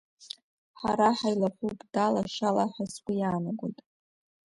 Ҳара ҳаилахәуп дала-шьала ҳәа сгәы иаанагоит.